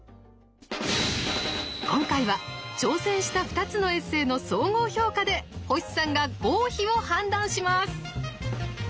今回は挑戦した２つのエッセーの総合評価で星さんが合否を判断します。